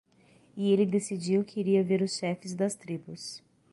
E ele decidiu que iria ver os chefes das tribos.